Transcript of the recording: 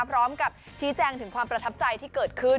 พร้อมกับชี้แจงถึงความประทับใจที่เกิดขึ้น